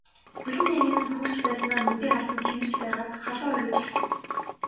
Хөл нь янгинан хөрч байснаа мэдээ алдан чинэрч байгаад халуу оргиж эхлэв.